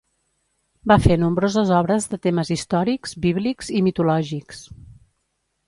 Va fer nombroses obres de temes històrics, bíblics i mitològics.